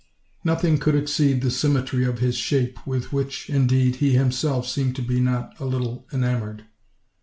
Nothing could exceed the symmetry of his shape, with which, indeed, he himself seemed to be not a little enamored.